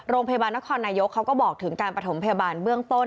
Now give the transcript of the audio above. โรงพยาบาลนครนายกเขาก็บอกถึงการประถมพยาบาลเบื้องต้น